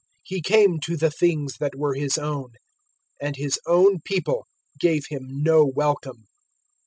001:011 He came to the things that were His own, and His own people gave Him no welcome.